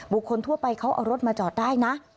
คนทั่วไปเขาเอารถมาจอดได้นะ